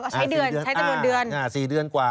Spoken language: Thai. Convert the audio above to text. ใช้เดือนเดือน